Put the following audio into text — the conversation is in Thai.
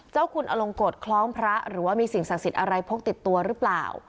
คุณอลงกฎคล้องพระหรือว่ามีสิ่งศักดิ์สิทธิ์อะไรพกติดตัวหรือเปล่า